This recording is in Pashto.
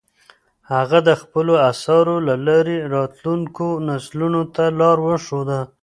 هغه د خپلو اثارو له لارې راتلونکو نسلونو ته لار وښوده.